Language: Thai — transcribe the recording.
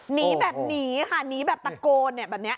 หนีแบบหนีค่ะหนีแบบตะโกนเนี่ยแบบนี้